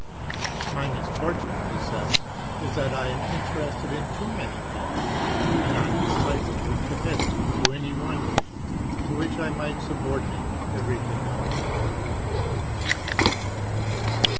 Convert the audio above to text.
"My misfortune," he says, "is that I am interested in too many things, and not decisively committed to any one thing, to which I might subordinate everything else."